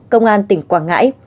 công an tp hcm